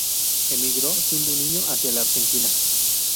Emigró siendo un niño hacia la Argentina.